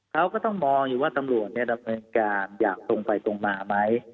เขาก็ต้องมองอยู่ว่าตำรวจดำเนินการอย่างตรงไปตรงมาไหม